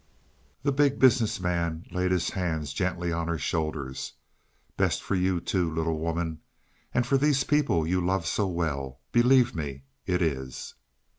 The Big Business Man laid his hands gently on her shoulders. "Best for you, too, little woman. And for these people you love so well. Believe me it is."